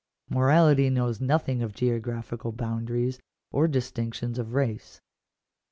Morality knows nothing of geographical boundaries, or distinctions of race.